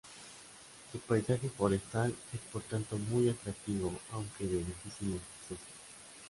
Su paisaje forestal es por tanto muy atractivo, aunque de difícil acceso.